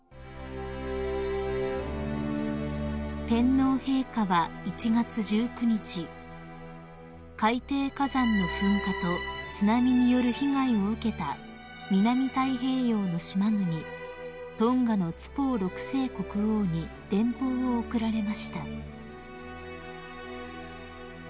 ［天皇陛下は１月１９日海底火山の噴火と津波による被害を受けた南太平洋の島国トンガのトゥポウ６世国王に電報を送られました］